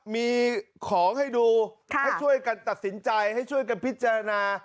มีของให้ดูให้ช่วยกันตัดสินใจให้ช่วยกันพิจารณา